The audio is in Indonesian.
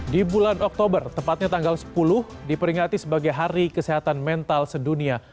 di bulan oktober tepatnya tanggal sepuluh diperingati sebagai hari kesehatan mental sedunia